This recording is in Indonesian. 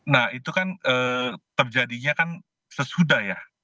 nah itu kan terjadinya kan sesudah ya